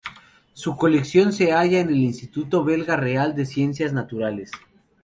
Su colección se halla en el Instituto belga Real de Ciencias Naturales.